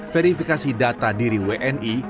verifikasi data diri wni